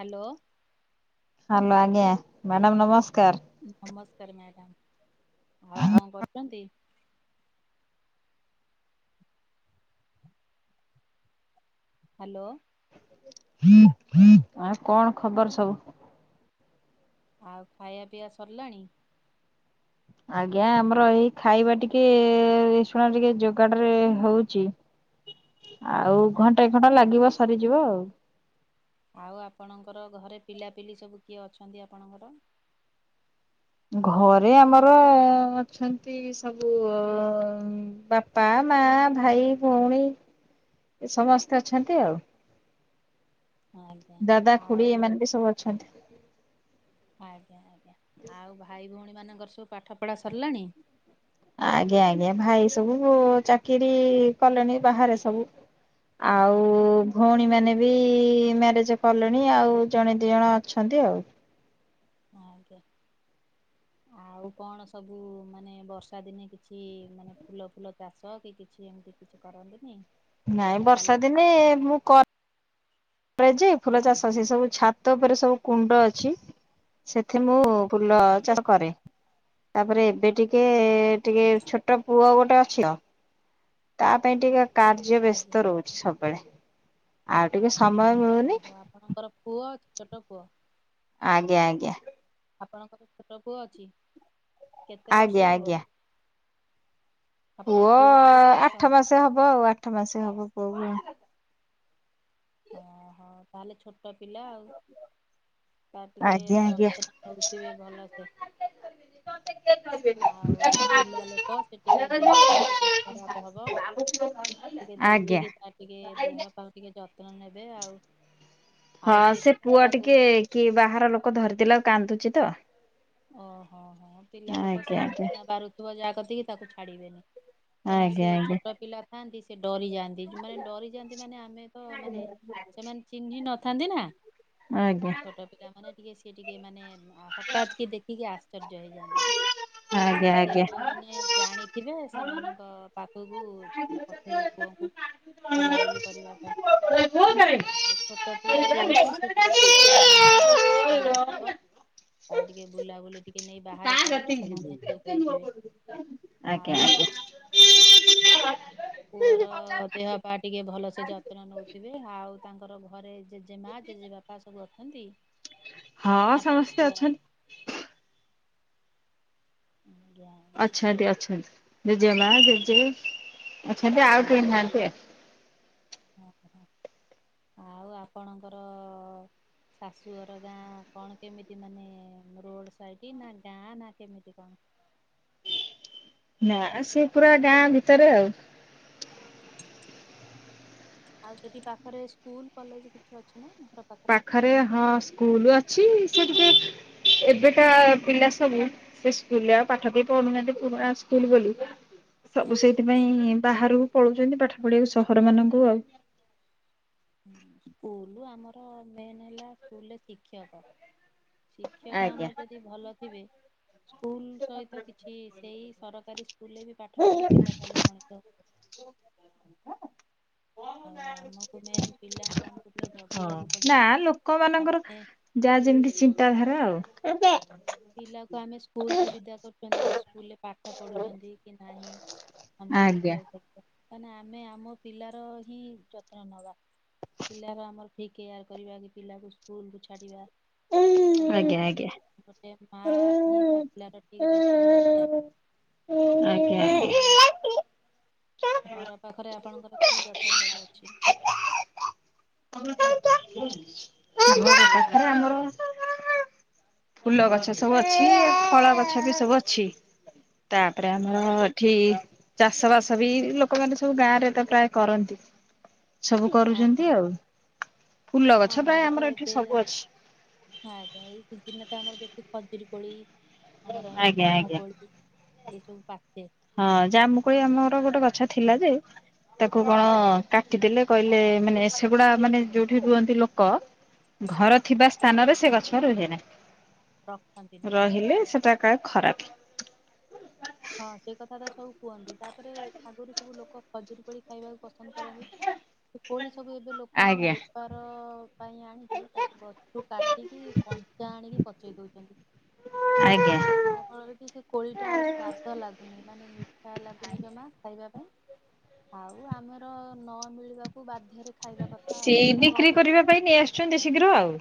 Hello. Hello, ଆଜ୍ଞା madam ନମସ୍କାର। ନମସ୍କାର ମ୍ୟାଡାମ୍, ଆଉ କଣ କରୁଚନ୍ତି? ହ୍ୟାଲୋ। ଆଉ କଣ ଖବର ସବୁ? ଆଉ ଖାଇବା ପିଇଵା ସରିଲାଣି? ଆଜ୍ଞା ଆମର ଏଇ ଖାଇବା ଟିକେ ଶୁଣ ଟିକେ ଯୋଗାଡରେ ହଉଛି। ଆଉ ଘଣ୍ଟାଏ ଆଜ୍ଞା ଘଣ୍ଟା ଲାଗିବ ସରିଯିବ। ଆଉ ଆପଣଙ୍କର ଘରେ ପିଲାପିଲି ସବୁ କିଏ ଅଛନ୍ତି ଆପଣଙ୍କର? ଘରେ ଆମର ଅଛନ୍ତି ସବୁ ଉଁ ବାପା ମା ଭାଇ ଭଉଣୀ ଏ ସମସ୍ତେ ଅଛନ୍ତି ଆଉ। ଆଜ୍ଞା ଦାଦା ଖୁଡି ଏମାନେ ଆଉ, ବି ସବୁ ଅଛନ୍ତି। ଆଜ୍ଞ୍ ଜ୍ଞା, ଆଉ ଭାଇ ଭଉଣୀ ମାନଙ୍କର ସବୁ ପାଠ ପଢା ସରିଲାଣି? ଆଜ୍ଞା ଆଜ୍ଞା, ଭାଇସବୁ ଚାକିରି କଲେଣି ବାହାରେ ସବୁ। ଆଉ ଆଜ୍ଞା ଭଉଣୀମାନେ ବି ବି ମ୍ୟାରେଜ କଲେଣି ଆଉ ଜଣେ ଦି ଜଣ ଅଛନ୍ତି ଆଉ। ଆଜ୍ଞା। ଆଉ କଣ ସବୁ ମାନେ ବର୍ଷା ଦିନେ କିଛି ମାନେ ଫୁଲ ଫୁଲ ଚାଷ କି କିଛି ଏମତି କି କିଛି କରନ୍ତିନି? ନାଇଁ ବର୍ଷା ଲଗାଲଗ ଦିନେ ମୁଁ କର୍ ଯେ ଫୁଲ ଚାଷ ଅ ସେ ସବୁ ଛାତ ଉପରେ ସବୁ କୁଣ୍ଡ ଅଛି ସେଥି ମୁଁ ଫୁଲ ଆଜ୍ଞା ଚାଷ କରେ ତାପରେ ଏବେ ଟିକେ ଟିକେ ଟିକେ ଆଜ୍ଞା ଛୋଟ ପୁଅ ଗୋଟେ ଅଛି। ତା ପାଇଁ ଟିକେ କାର୍ଯ୍ୟ ଆଜ୍ଞା। ବ୍ୟସ୍ତ ରହୁଛି ସବୁବେଳେ ଆଉ ଟିକେ ସମୟ ମିଳୁନି। ଓହୋ ଆପଣଙ୍କର [inaudible] ଆଜ୍ଞା ଆଜ୍ଞା। ଆପଣଙ୍କର ଛୋଟ ପୁଅ ଅଛି କେତେ ଆଜ୍ଞା ବର୍ଷ ହବ। ଆଜ୍ଞା। ଆପଣଙ୍କ ପୁଅ ପୁଅକୁ କେତେ ବର୍ଷ ଆଠ ମାସ ହବ ଆଉ ଆଠ ମାସ ହବ ପୁଅ କ ଓହୋ ତାହେଲେ ଛୋଟ ପିଲା ଆଉ। ତା ଟିକେ ଆଜ୍ଞା ଆଜ୍ଞା। ଯତ୍ନ ହଉଥିବେ ଭଲସେ ଆଉ ପିଲା ଲୋକ ସେ ଟିକେ ଦେହ ଟା ଟିକେ ଖରାପ ହବ ଟିକେ ଆଜ୍ଞା। ଦେଖିକି ତା ଟିକେ ଦେହ ପାଖ ଟିକେ ଯତ୍ନ ନେବେ ଆଉ ହଁ ଆଉ ସିଏ ସେ କଣ ପୁଅ ତାକୁ ଟିକେ କି ବାହାର ଲୋକ ଧରିଥିଲା ଆଉ କାନ୍ଦୁଛି ତ। ଓହୋ ହୋ ପିଲା ଲୋକ ଆଜ୍ଞା ସିଏ ଆଜ୍ଞା ଅଚନା ପାରୁଥିବ ଯାହା କତିକି ତାକୁ ଛାଡିବେନି। କ ଆଜ୍ଞା ସେ ଆଜ୍ଞା। ଛୋଟ ପିଲା ଥାଆନ୍ତି।। ଡରିଯାଆନ୍ତି ମାନେ ଡରିଯାଆନ୍ତି ମାନେ ଆମେ ତ ମାନେ। ସେମାନେ ଚିହ୍ନି ନଥାନ୍ତି ନା ଆଜ୍ଞା। ଛୋଟ ପିଲାମାନୋନେ ଟିକେ ସିଏ ଟିକେ ମାନେ ହଠତ୍ କି ଦେଖିକି ଆଶ୍ଚର୍ଯ୍ୟ ହେଇଯାଆନ୍ତି। ଆଉ ଆଜ୍ଞା ସିଏ ଯୋଉମାନେ ଜାଣିଥିବେ ସେମାନଙ୍କ ପାଖ ପୁଅକୁ ପଠେଇବେ ପୁଅକୁ ବୁଲାବୁଲି କରିବା ଆଜ୍ଞା। ପାଇଁ ଆଉ ଛୋଟ ପିଲା ଆଜ୍ଞା ଯେହେତୁ ସେ ଆଜ୍ଞା। ଟିକେ ତାଙ୍କର ମନରେ ଟିକେ ଭୟ ଅଧିବ। [inaudible] କତି ସେମାନେ ଚୁପ୍ ଆଜ୍ା ହେଇଯିବେ। ଆଉ [unintelligible] ପୁଅର ଦେହ ପା ଟିକେ ଭଲସେ ଯତ୍ନ ନଉଥିବେ ଆଉ। ତାଙ୍କର ଘରେ। ଜେଜେ ମା ଜେଜେ ବାପା ସବୁ ଅଛନ୍ତି ହଁ ଆପଣଙ୍କ ସମସ୍ତେ ପୁଅ [inaudible] ହୁଁ ଆଛନ୍ତି ଆଛା ଦଡିଜେ ମ ଦିଜେ। ଆଛାଦା ଆଉ ଟନ୍ନ୍ତିେ। ଓହ ଆଉ ଆପଣଙ୍କର। ଶାଶୁ ଘର ଗାଁ କଣ କେମିତି ମାନେ ରୋଡ୍ ସାଇଡ କି ନା ଗାଁ ନା କେମିତି କଣ। [inaudible] ନା ସେ ପୁରା ଗାଁ ଭିତରେ ଆଉ। ଆଉ ଯଦି ପାଖରେ ସ୍କୁଲ କଲେଜ କିଛି ଅଛି ନା ନା ପାଖରେ ହଁ ସ୍କୁଲ ଅଛି। [inaudible] ଏବେଟା ପିଲା ସବୁ ସେ ସ୍କୁଲରେ ଆଉ ପାଠ ପି ପଢୁନାହାନ୍ତି ପୁରା ସ୍କୁଲ ବୋଲି। ସବୁ ସେଇଥିପାଇଁ ବାହାରକୁ ପଳୁଛନ୍ତି ପାଠ ପଢିବାକୁ ସହର ମାନଙ୍କୁ ଆଉ ସ୍କୁଲ ଆମର ମେ ହେଲା ସ୍କୁଲ୍ରେ ଶିକ୍ଷକ। ଶିକ୍ଷକ ଆଜ୍ଞା ଆମର ଯଦି ଭଲ ଥିବେ। ସ୍କୁଲ ସହିତ କିଛି ସେଇ ସରକାରୀ ସ୍କୁଲରେ ବି ପାଠ ହଁ। ପଢି ପିଲା ଭଲ ମଣିଷ [inaudible] [inaudible] ଆମକୁ ମେନ୍ ପିଲାଙ୍କୁ ଆମକୁ ଟିକେ ହ ଜଗିବାକୁ ନା ପଡିବ। ଲୋକ ମାନଙ୍କର ଆମେ ଯାହା ଜିନି ଏମତି ଚିନ୍ତାଧାରା ଆଉ ପିଲାକୁ ଆମେ ସ୍କୁଲ କୁ ବିଦା କରୁଛନ୍ତି ସେ ସ୍କୁଲରେ ପାଠ ପଢୁଛନ୍ତି କି ନାହିଁ। ଆମକୁ ଆଜ୍ଞା ଆଜ୍ଞା। ଦେଖିବାକୁ ପଡ କାଁ ଆମେ ଆମ ପିଲାର ହିଁ ଯତ୍ନ ନେବା। ପିଲା ଆମର ଫି କେୟାର କରିବା କି ପିଲାକୁ ସ୍କୁଲ କୁ ଛାଡିବା। [inaudible] ଆଜ୍ଞା ଆଜ୍ଞା। ମା ହିଁ ତା ପିଲାର ଠିକ ଯତ୍ନ ନେଇଥାଏ। ଆଉ ଆଜ୍ଞା। ଘର ପାଖରେ ଆପଣଙ୍କର କି ଗଛ ସବୁ ଅଛି? ଘର ପାଖରେ ଆମର ଫୁଲ ଗଛ ସବୁ ଅଛି, ଫଳ ଗଛ ବି ସବୁ ଅଛି। ତାପରେ ଆମର ଆଜ୍ଞା ଏଠି -ଚାଷ ବାସ ସବ [unintelligible] ଲୋକମାନୋନ ସବୁ ଗାଁ ରେ ତ ପ୍ରାୟ କରନ୍ତି ସବୁ କରୁଛନ୍ତି ଆଜ୍ଞା। ଆଉ ଫୁଲ ହଁ ଗଛ ପ୍ରାୟ ଆମର ତ ଏଠି ଏବେ, ସବୁ ଅଛି ଆଜ୍ଞା -ଏଇଦିନ ତ ଆମର ବେଶୀ ଖଜୁର କୋଳି, ଆମର ହେଲା ଆଜ୍ଞା ଜାମୁ ଆଜ୍ଞା। କୋଳି, ଏସବୁ ପାଚେ ହଁ ଜାମୁକଳି ଆଉ ଆମର ଗୋଟେ ଗଛ ଥିଲା ଯେ ତାକୁ କଣ କାଟିଦେଲେ କହିଲେ ମାନେ ସେଗୁଡା ମାନେ ଯୋଉଠି ରୁହନ୍ତି ଲୋକ ଘର ଆଜ୍ଞା ଥିବା ସ୍ଥାନରେ ସେ ଗଛ ରୁହେ ନାହି, ରଖନ୍ତିନି। ରହିଲେ ସେଟା କାଳେ ଖରାପ। ହଁ ସେଇ କଥା ତ ସବୁ କୁହନ୍ତି, ତାପରେ ଆଗରୁ ସବୁ ଲୋକ ଖଜୁରୀ କୋଳି ଖାଇବାକୁ ପସନ୍ଦ କରନ୍ତି। ସେ କୋଳି ସବୁ ଏବେ ଲୋକମାନେ ଆଜ୍ଞା। ବେପାର ପାଇଁ ଆଣିକି, ତାକୁ ଗଛରୁ କାଟିକି କଞ୍ଚା ଆଣିକି ପଚେଇ ଦଉଛନ୍ତି, ଆଜ୍ଞା। ଯାହା ଫଳରେ କି ସେ କୋଳି ଟା ଆଉ ସ୍ଵାଦ ଲାଗୁନି, ମାନେ ମିଠା ଲାଗୁନି ଜମା ଖାଇବା ପାଇଁ ଆଉ ଆମର ନ ମିଳିବାକୁ ବାଧ୍ୟ। ସେଇ ବିକ୍ରି କରିବା ପାଇଁ ନେଇ ଆସୁଛନ୍ତି ଶୀଘ୍ର। ଆଉ।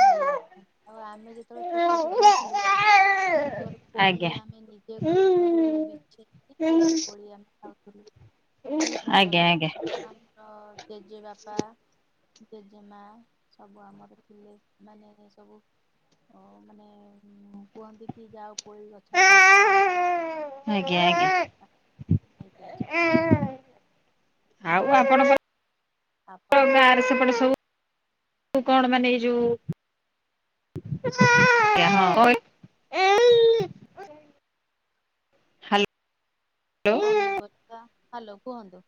ନେଇ ଆସୁଛନ୍ତି, ଆଉ ଆମେ ଯେତେବେଳେ ଛୋଟ ଛୋଟ ହେଇଥିଲୁ ତୋର [unintelligible] କୋଳି ଆଜ୍ଞା। ଆମେ ନିଜେ ଗଛ ଛରୁ ବିଛେଇ କୋଳି ଆମେ ଖାଉଥିଲୁ। ବହୁତ ଭଲ ଆଜ୍ଞା ଲାଗେ ଆଜ୍ଞା। ଯେତେବେଳେ ଆମର -ତେଜେ ବାପା ଜେଜେମା, ସବୁ ଆମର ଥିଲେ, ମାନେ ସେ ସବୁ ଓ ମାନେ କୁହନ୍ତି କି ଯାଅ କୋଳି ଗଛରେ ପାଚିଲାଣି। ଖାଲି [unintelligible] ଆଉ ନେଇକି ଆସ ଆଉ ଆପଣଙ୍କ ଆପଣଙ୍କ ଗାଁରେ ସେପଟେ ସବୁ କଣ? ମାନେ ଏଇ ଯୋଉ ହ ଏ [unintelligible] ପନିପରିବା, ହାଲୋ -କୁହନ୍ତୁ?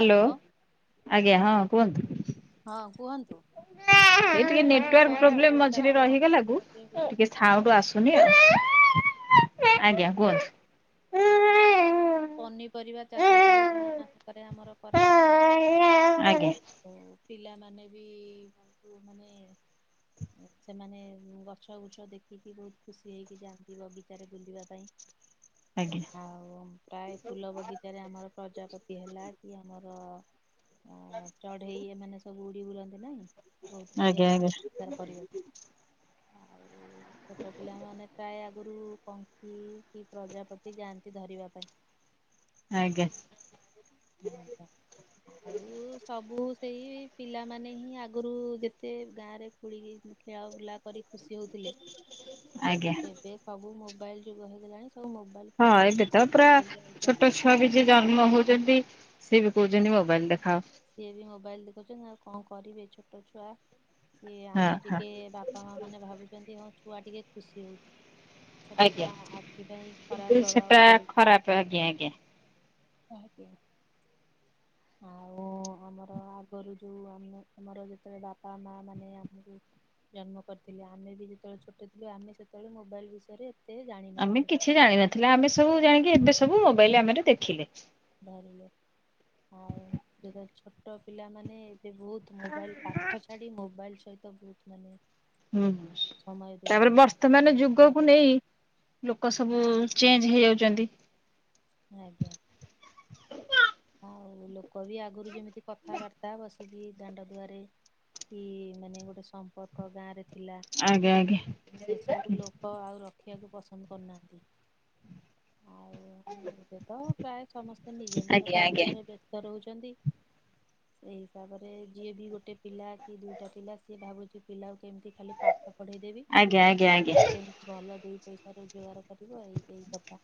ହାଲୋ ଆଜ୍ଞା, ହଁ କୁହନ୍ତୁ? ହଁ କୁହନ୍ତୁ? ଏ ଟିକେ ମୁଁ କହିଲି ନେଟାର୍ ପ୍ରୋବ୍ଲେମ ପନିପରିବା ଚାଷ ମଝିରେ ଆମ ରହିଗଲା କୁ ସେପଟରେ ହୁଏ ଟିକେ ତ ସାଉଣ୍ଡ ଆସୁନି ଆଉ ଆଜ୍ଞା। କୁହନ୍ତୁ ପନିପରିବା ଚାଷ ଟିକେ ଗାଁ ମାନଙ୍କରେ ଆମର କରାଯାଏ। ହଁ ଆେ ଆଉ [unintelligible] ପିଲାମାନେ ବି ବୁ ମାନେ ସେମାନେ ଗଛ ଗୁଛ ଦେଖିକି ବହୁତ ଖୁସି ହେଇକି ଯାଆନ୍ତି ବଗିଚାରେ ବୁଲିବା ପାଇଁ ଆଉ ପ୍ରାୟ ଫୁଲ ବଗିଚାରେ ଆମର ପ୍ରଜ ପତି ହେଲା କି ଆମର ଅ ଚଢେଇ ଏମାନେ ସବୁ ଉଡି ବୁଲନ୍ତି ନାଇଁ ବହୁତ ବଢିଆ ଆଜ୍ଞା ଲାଗେ, ସାର କରିବାକୁ [unintelligible] ଆଉ ଛୋଟ ପିଲାମାନେ ପ୍ରାୟ ଆଗରୁ କଙ୍କି କି ପ୍ରଜାପତି ଯାଆନ୍ତି ଧରିବା ପାଇଁ ହ [unintelligible] ଆଜ୍ଞା। ହୁଁ [unintelligible] ଆଉ ସବୁ ସେଇ ପିଲାମାନେ ହିଁ ଆଗରୁ ଯେତେ ଗାଁ ରେ ଖୋଳିକି ଖେଳା ବୁଳା କରି ଖୁସି ହଉଥିଲେ, ଆଜ୍ଞା। ଏବେ ସବୁ ମୋବାଇଲ ଯୁଗ ହେଇଗଲାଣି। ସବୁ ମୋବାଇଲ ହଁ ଖଣ୍ଡ ଏ ତ ପାଖକୁ ପରା, ବସି ଯାଉଛନ୍ତି। ଛୋଟ ଛୁଆ ବି ଯେ ଜନ୍ମ ହଉଛନ୍ତି ସିଏ ବି କହୁଛନ୍ତି ମୋବାଇଲ ଦେଖାଅ। ସିଏ ବି ମୋବାଇଲ ଦେଖଉଛନ୍ତି ଆଉ କଣ କରିବେ ଛୋଟ ଛୁଆ। ସିଏ ହଁ ଆମେ ହଁ। ଟିକେ ବାପା ମା ମାନେ ଭାବୁଛନ୍ତି ହଁ ଛୁଆ ଟିକେ ଖୁସି ହଉଛି। ସେଟା ଆଜ୍ଞା ତା ଆଖି ପାଇଁ ଖରାପ କିନ୍ତୁ ପ୍ରଭାବ ସେଟା ଖରାପ ଆଜ୍ଞା ଆଜ୍ଞା। କହନ୍ତି। ଆଉ ଆମର ଆଗରୁ ଯୋଉ ଆମ ଆମର ଯେତେବେଳେ ବାପା ମା ମାନେ ଆମକୁ ଜନ୍ମ କରିଥିଲେ ଆମେ ବି ଯେତେବେଳେ ଛୋଟ ଥିଲୁ ଆମେ ସେତେବେଳେ ମୋବାଇଲ ବିଷୟରେ ଆମେ ଜାଣିନଥିଲୁ। କିଛି ଜାଣିନଥିଲା ଆମେ ସବୁ ଜାଣିକି ଏବେ ସବୁ ମୋବାଇଲ ଆମ ଦେଖିଲେ। ଧରିଲେ ଆଉ ଏବେ ଛୋଟ ପିଲାମାନେ ଏବେ ବହୁତ ମୋବାଇଲ ପାଖ ଛାଡି ମୋବାଇଲ ସହିତ ବହୁତ ମାନେ ହୁଁ, ହୁଁ, ସମୟ ତାପରେ ଦଉଛନ୍ତି ବର୍ତ୍ତମାନ ଯୁଗକୁ ଦେଖିବାରେ ନେଇ ଲୋକ ସବୁ ଚେଞ୍ଜ ହେଇଯାଉଛନ୍ତି। ଆଜ୍ଞା। ଆଉ ଲୋକ ବି ଆଗରୁ ଯେମିତି କଥାବାର୍ତ୍ତା ବସି ସିକି ଦାଣ୍ଡ ଦୁଆରେ କି ମାନେ ଗୋଟେ ସମ୍ପର୍କ ଗାଁ ରେ ଥିଲା ଆଜ୍ଞା ଆଜ୍ଞା ସେ ସବୁ ଲୋପ ଆଉ ରଖି ଖିବାକୁ ପସନ୍ଦ କରୁନାହାନ୍ତି। ଆଉ ଏବେ ତ ପ୍ରାୟ ସମସ୍ତେ ନିଜ ନିଜ ଆଜ୍ଞା ଆଜ୍ଞା କାର୍ଯ୍ୟରେ ବ୍ୟସ୍ତ ରହୁ ଛନ୍ତି। ସେଇ ହିସାବରେ ଯିଏ ବି ଗୋଟେ ପିଲା କି ଦୁଇଟା ପିଲା ସିଏ ଭାବୁଛି ପିଲା କେମିତି ଖାଲି ପାଠ ପଢେଇ ଦେବି ଆଜ୍ଞା ଆଜ୍ଞା କି ଆଜ୍ଞା। ତା କେମିତି ଭଲ ଦୁଇ ପଇସା ରୋଜଗାର କରିବ ଏଇ ଏଇ କଥା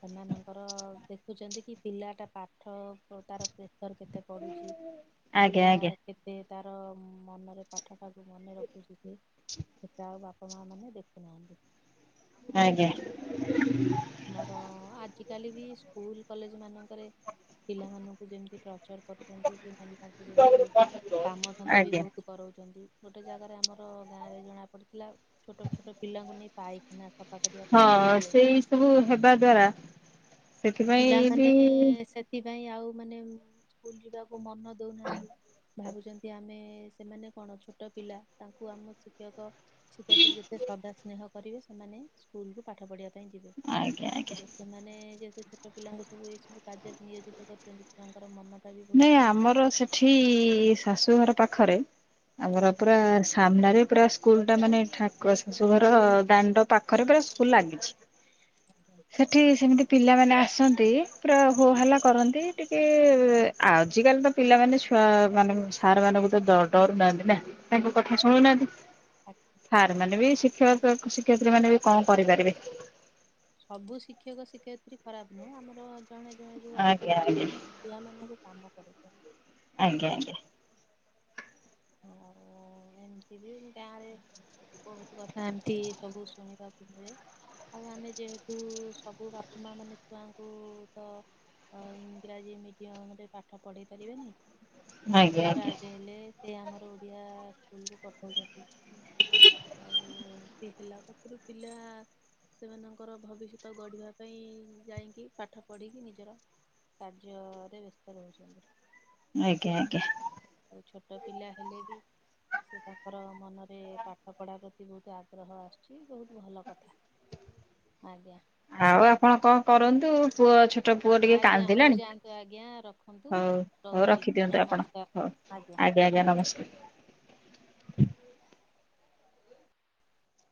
ସେମାନଙ୍କର ଦେଖୁଛନ୍ତି କି ପିଲାଟା ପାଠ ତାର ତାର କେତେ ପଢୁଛି ଆଜ୍ଞା ପିଲା ଆଜ୍ଞା କେତେ ତାର ମନରେ ପାଠ ତାକୁ ମନେ ରଖୁଛି କି ସେଟା ଆଉ ବାପା ମା ମାନେ ଦେଖୁନାହାନ୍ତି। ଆଜ୍ଞା। ମୋର ଆଜି କାଲି ବି ସ୍କୁଲ କଲେଜ ମାନଙ୍କରେ ପିଲାମାନଙ୍କୁ ଯେମିତି ଟ୍ର ଚର କରୁଛନ୍ତି କି ମାନେ ତାଙ୍କୁ ଯେମିତି କାମ ଧନ୍ଦା ବି ଆଜ୍ଞା। ବହୁତ କରାଉଛନ୍ତି, ଗୋଟେ ଜାଗାରେ ଆମର ଗାଁ ରେ ଜଣା ପଡିଥିଲା ଛୋଟ ଛୋଟ ପିଲାଙ୍କୁ ନେଇ ପାଇଖାନା ସଫା କରିବା କାର୍ଯ୍ୟରେ ହଁ ସେଇ ଲଗାଉଛନ୍ତି। ସବୁ ହେବା ଦ୍ଵାରା ସେଥିପାଇଁ ବି ପିଲାମାନେ ସେଥିପାଇଁ ଆଉ ମାନେ ସ୍କୁଲ ଯିବା କୁ ମନ ଦଉନାହାନ୍ତି, ଭାବୁଛନ୍ତି ଆମେ ସେମାନେ କଣ ଛୋଟ ପିଲା ତାଙ୍କୁ ଆମ ଶିକ୍ଷକ ଶିକ୍ଷୟତ୍ରୀ ଯେତେ ଶ୍ରଦା ସ୍ନେହ କରିବେ ସେମା ନେଇ ସ୍କୁଲ୍ କୁ ପାଠ ପଢିବା ପାଇଁ ଯିବେ ଆଜ୍ଞା ଆଜ୍ଞା। ଆଉ ସେମାନେ ଯେହେତୁ ଛୋଟ ପିଲାଙ୍କୁ ସବୁ ଏଇ ସବୁ କାର୍ଯ୍ୟରେ ନିୟୋଜିତ କରୁଛନ୍ତି, ତାଙ୍କର ମନ ନାଇଁ ଆମର ସେଠି ଶାଶୁଘର ପାଖରେ ଆମର ଥାଏ। ପୁରା ସାମ୍ନାରେ ପୁରା ସ୍କୁଲ ଟା ମାନେ ଠାକ ଶାଶୁ ଘର ଦାଣ୍ଡ ପାଖରେ ପୁରା ସ୍କୁଲ ଲାଗିଛି। ସେଠି ସେମିତି ପିଲାମାନେ ଆସନ୍ତି ପୁରା ହୋହାଲା କରନ୍ତି ଟିକେ ଆଜିକାଲି ତ ପିଲାମାନେ ଛୁଆ ମାନ ସାର୍ ମାନଙ୍କୁ ତ ଡ ଡରୁ ନାହାନ୍ତି ନା। ତାଙ୍କ ଆଉ କଥା ଶୁଣୁନାହାନ୍ତି, ଆ- ସାର ମାନେ ବି ଶିକ୍ଷକ ଶିକ୍ଷୟତ୍ରୀ ମାନେ ବି କଣ କରିପାରିବେ। ସବୁ ଶିକ୍ଷକ ଶିକ୍ଷୟିତ୍ରୀ ଖରାପ ନୁହଁ, ଆମର ଜଣେ ଜଣେ ଯୋଉ ଆଜ୍ଞା ଆଜ୍ଞା ଅଛନ୍ତି, ସେ ପିଲାମାନଙ୍କୁ କାମ କରୁଛନ୍ତି। ଆଜ୍ଞ, ଆଜ୍ଞା। ହୁଁ ଏମତି ବି ଗାଁ ରେ ବହୁତ କଥା ଏମତି ସବୁ ଶୁଣିିବା କୁ ମିଳେ ଆଉ ଆମେ ଯେହେତୁ ସବୁ ବାପା ମା ମାନେ ଛୁଆଙ୍କୁ ତ ଅ ଇଂରାଜୀ ମିଡିୟମ ରେ ପାଠ ପଢେଇ ପାରିବେନି ଆଜ୍ଞା ଆଜ୍ଞା ସବୁ ଚାର୍ଜ ନେଲେ। ସେ ଆମର ଓଡ଼ିଆ ସ୍କୁଲକୁ ପଠଉଛନ୍ତି। ଆଉ ଏମିତି ହେଲା ପାଖରୁ ପିଲା ସେମାନଙ୍କର ଭବିଷ୍ୟତ ଗଢିବା ପାଇଁ ଯାଇକି ପାଠ ପଢିକି ନିଜର କାର୍ଯ୍ୟରେ ବ୍ୟସ୍ତ ରହୁଛନ୍ତି। ଆଜ୍ଞା-ଆଜ୍ଞା। ଆଉ ଛୋଟ ପିଲା ହେଲେ ବି ସେ ତାଙ୍କର ମନରେ ପାଠ ପଢା ପ୍ରତି ବହୁତ ଆଗ୍ରହ ଆସୁଛି ବହୁତ ଭଲ କଥା। ଆଜ୍ଞା। ଆଉ ଆପଣ କଣ କରନ୍ତୁ ପୁଅ ଛ ପୁଅ ଟିକେ ଆଜ୍ଞା ହଉ କାନ୍ଦିଲାଣି ଯାଆନ୍ତୁ ଆଜ୍ଞା ରଖନ୍ତୁ ହଉ ହଉ ରହୁଛି ରଖିଦିଅନ୍ତୁ ଆପଣ ନମସ୍କାର ହଉ। ଆଜ୍ଞା। ଆଜ୍ଞା-ଆଜ୍ଞା ନମସ୍କାର।